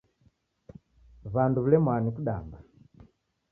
W'andu w'ilemwa ni kudamba.